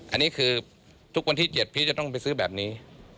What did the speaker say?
อันนี้คือทุกวันที่๗พี่จะต้องไปซื้อแบบนี้